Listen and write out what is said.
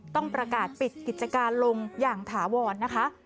ต้องประกาศปิดกิจการลงอย่างถาวรนะคะ